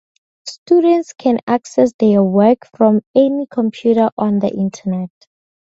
Students can access their work from any computer on the Internet.